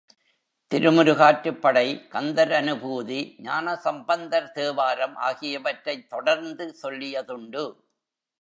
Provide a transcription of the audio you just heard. திருமுருகாற்றுப் படை, கந்தர் அநுபூதி, ஞானசம்பந்தர் தேவாரம் ஆகியவற்றைத் தொடர்ந்து சொல்லியதுண்டு.